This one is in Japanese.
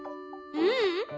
ううん。